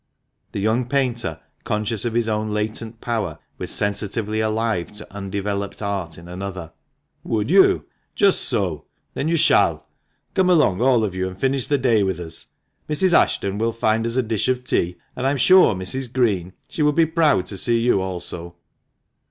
The young painter, conscious of his own latent power, was sensitively alive to undeveloped art in another. " Would you ? Just so ! Then you shall. Come along, all of you, and finish the day with us. Mrs. Ashton will find us a 302 THE MANCHESTER MAN. dish of tea, and I am sure, Mrs. Green, she will be proud to see you also."